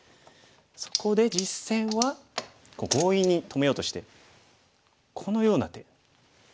そこで実戦は強引に止めようとしてこのような手。